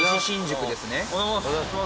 おはようございます。